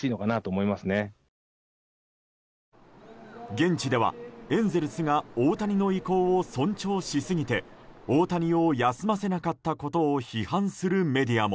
現地ではエンゼルスが大谷の意向を尊重しすぎて大谷を休ませなかったことを批判するメディアも。